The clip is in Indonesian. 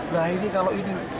nah ini kalau ini